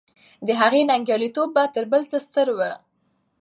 د هغې ننګیالی توب تر بل څه ستر و.